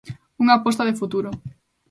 Unha aposta de futuro.